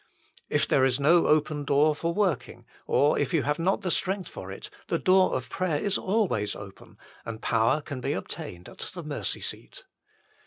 If there is no open door for working, or if you have not the strength for it, the door of prayer is always open, and power can be obtained at the mercy seat.